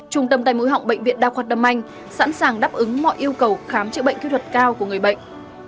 trung tâm tay mũi họng bệnh viện đa khoa tâm anh sẵn sàng đáp ứng mọi yêu cầu khám chữa bệnh kỹ thuật cao của người bệnh